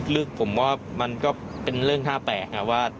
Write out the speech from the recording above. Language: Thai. ผมว่ามันก็เป็นเรื่องน่าแปลกว่า